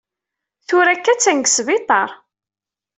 Tura akka attan deg sbiṭar.